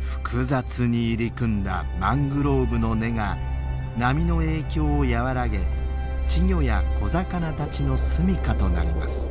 複雑に入り組んだマングローブの根が波の影響を和らげ稚魚や小魚たちのすみかとなります。